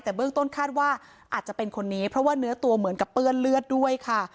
แต่เบื้องต้นคาดว่าอาจจะเป็นคนนี้เพราะว่าเนื้อตัวเหมือนกับเปื้อนเลือดด้วยค่ะ